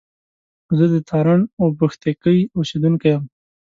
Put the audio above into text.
زه د تارڼ اوبښتکۍ اوسېدونکی يم